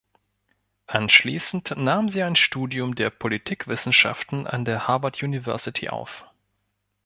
Anschließend nahm sie ein Studium der Politikwissenschaften an der Harvard University auf.